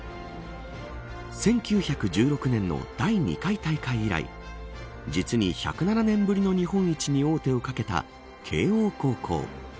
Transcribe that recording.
１９１６年の第２回大会以来実に１０７年ぶりの日本一に王手をかけた慶応高校。